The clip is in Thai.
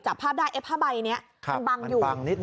จับภาพได้ไอ้ผ้าใบนี้มันบังอยู่